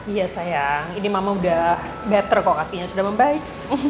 iya sayang ini mama sudah better kok apinya sudah membaik